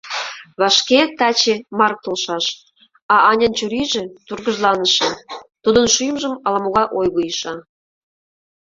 Вашке, таче, Марк толшаш, а Анян чурийже тургыжланыше, тудын шӱмжым ала-могай ойго иша.